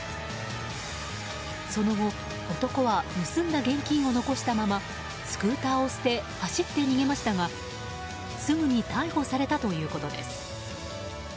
その後、男は盗んだ現金を残したままスクーターを捨て走って逃げましたがすぐに逮捕されたということです。